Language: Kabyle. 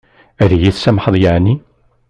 Ad yi-tsamḥeḍ yeεni?